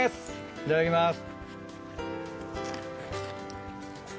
いただきます。